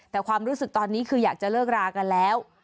แต่ความรู้สึกตอนนี้คืออยากจะเลิกรากันแล้ว